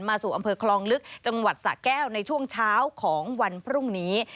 สู่อำเภอคลองลึกจังหวัดสะแก้วในช่วงเช้าของวันพรุ่งนี้